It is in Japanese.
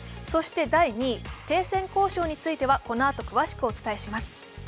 そして第２位、停戦交渉についてはこのあと詳しくお伝えします。